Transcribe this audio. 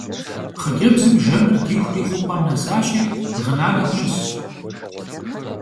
Xhıcebzım jjemır dixuri xhup'em nesaşi ğınaneu şısş.